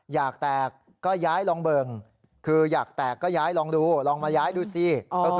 อยากแตกก็ย้ายลองเบิ่งคืออยากแตกก็ย้ายลองดูลองมาย้ายดูสิ